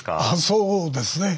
そうですね。